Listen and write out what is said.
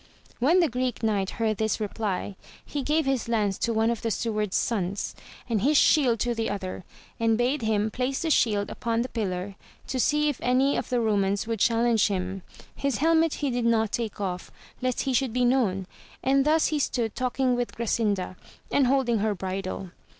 When the Greek Knight heard this reply he gave his lance to one of the steward's sons, and his shield to the other, and bade him place the shield upon the pillar to see if any of the Eomans would challenge him ; his helmet he did not take off lest he should be known, and thus he stood talking with Grasinda, and holding her bridle.